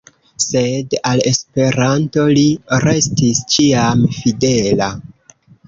Sed al Esperanto li restis ĉiam fidela.